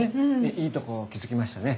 いいとこ気付きましたね。